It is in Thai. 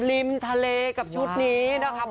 ริมทะเลกับชุดนี้นะครับ